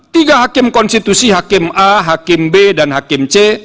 tiga hakim konstitusi hakim a hakim b dan hakim c